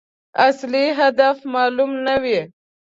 اصلي هدف معلوم نه وي.